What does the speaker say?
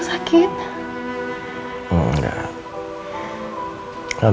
bagaimana adik sakit